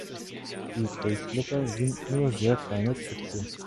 Die Kelchblätter sind nur sehr kleine Zipfel.